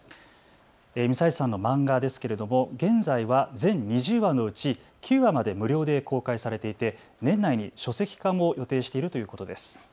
美齊津さんの漫画ですけれども現在は全２０話のうち９話まで無料で公開されていて年内に書籍化も予定しているということです。